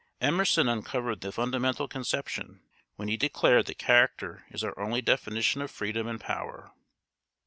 Emerson uncovered the fundamental conception when he declared that character is our only definition of freedom and power.